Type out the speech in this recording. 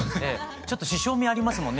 ちょっと師匠味ありますもんね